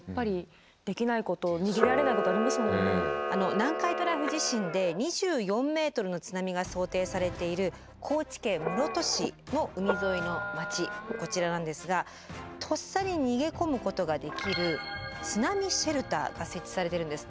南海トラフ地震で２４ｍの津波が想定されている高知県室戸市の海沿いの町こちらなんですがとっさに逃げ込むことができる津波シェルターが設置されているんです。